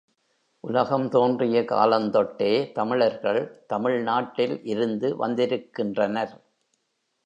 உலகம் தோன்றிய காலந்தொட்டே தமிழர்கள் தமிழ்நாட்டில் இருந்து வந்திருக்கின்றனர்.